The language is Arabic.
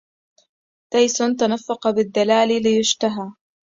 تيس تنفق بالدلال ليشتهى